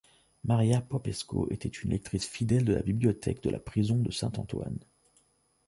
Maria Popesco était une lectrice fidèle de la bibliothèque de la Prison de Saint-Antoine.